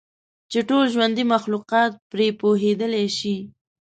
چې ټول ژوندي مخلوقات پرې پوهیدلی شي.